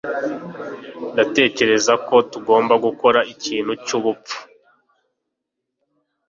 Ndatekereza ko tugomba gukora ikintu cyubupfu.